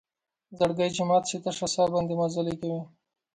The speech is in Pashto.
زړګۍ چې مات شي تشه سا باندې مزلې کوي